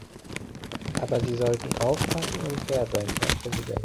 Aber Sie sollten aufpassen und fair sein, Herr Präsident.